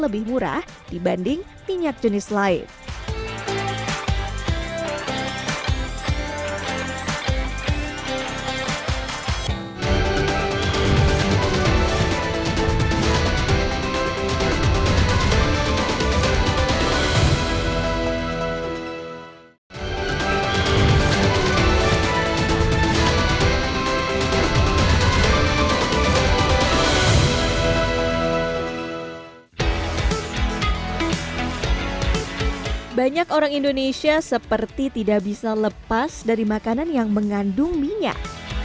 banyak orang indonesia seperti tidak bisa lepas dari makanan yang mengandung minyak